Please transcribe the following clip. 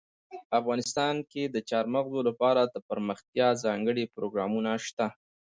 افغانستان کې د چار مغز لپاره دپرمختیا ځانګړي پروګرامونه شته.